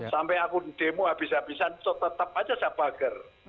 sampai aku demo habis habisan tetap aja saya bagar